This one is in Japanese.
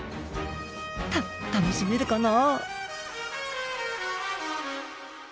た楽しめるかな？